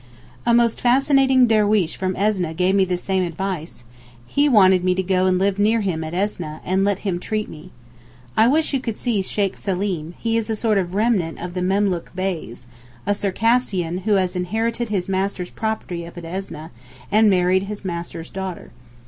A most fascinating derweesh from Esneh gave me the same advice; he wanted me to go and live near him at Esneh, and let him treat me. I wish you could see Sheykh Seleem, he is a sort of remnant of the Memlook Beys—a Circassian—who has inherited his master's property up at Esneh, and married his master's daughter.